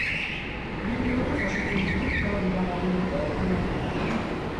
Bi neurri jasotzen ditu gaur iragarri duten aldaketak.